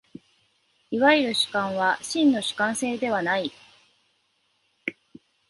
いわゆる主観は真の主観性ではない。